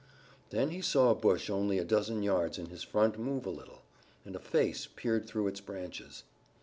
Then he saw a bush only a dozen yards in his front move a little, and a face peered through its branches.